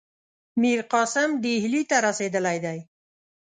میرقاسم ډهلي ته رسېدلی دی.